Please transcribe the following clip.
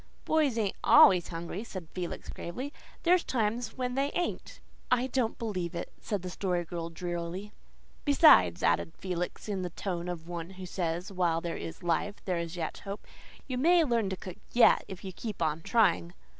"Boys ain't ALWAYS hungry," said Felix gravely. "There's times when they ain't." "I don't believe it," said the Story Girl drearily. "Besides," added Felix in the tone of one who says while there is life there is yet hope, "you may learn to cook yet if you keep on trying."